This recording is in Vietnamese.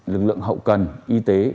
lực lượng hậu cần y tế